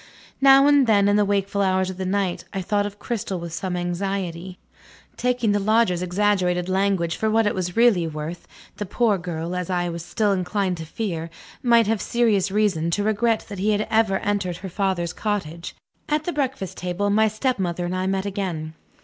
Now and then, in the wakeful hours of the night, I thought of Cristel with some anxiety. Taking the Loger's exaggerated language for what it was really worth, the poor girl (as I was still inclined to fear) might have serious reason to regret that he had ever entered her father's cottage. At the breakfast table, my stepmother and I met again.